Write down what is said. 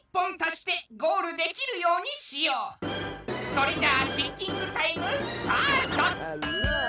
それじゃあシンキングタイムスタート！